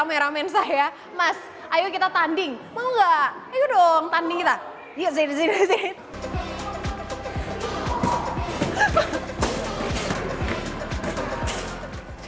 enggak ayo dong tadi tak yuk sini sini sini